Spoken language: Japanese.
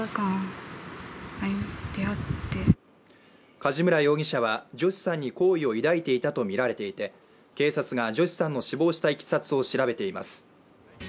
梶村容疑者はジョシさんに好意を抱いていたとみられていて警察がジョシさんの死亡したいきさつを調べています。